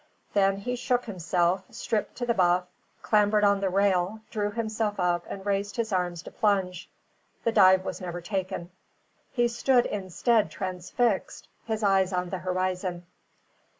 Then he shook himself, stripped to the buff, clambered on the rail, drew himself up and raised his arms to plunge. The dive was never taken. He stood instead transfixed, his eyes on the horizon.